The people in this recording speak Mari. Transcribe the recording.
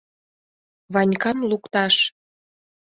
— Ванькам лукташ!